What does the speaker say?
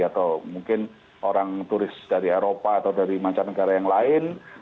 atau mungkin orang turis dari eropa atau dari mancanegara yang lain